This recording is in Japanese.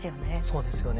そうですよね。